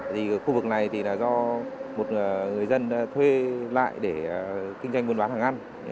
thì khu vực này thì là do một người dân thuê lại để kinh doanh buôn bán hàng ăn